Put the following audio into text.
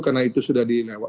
karena itu sudah dilewat